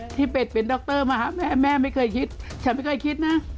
ที่เป็ดเป็นดรมหาแม่แม่ไม่เคยคิด